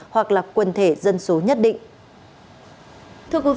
hoặc là quần thể dân số nhất định